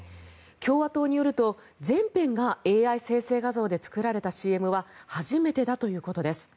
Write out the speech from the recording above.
共和党によると、全編がＡＩ生成画像で作られたＣＭは初めてだということです。